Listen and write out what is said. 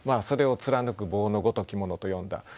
それを「貫く棒の如きもの」と詠んだ。